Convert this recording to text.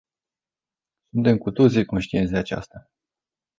Suntem cu toții conștienți de aceasta.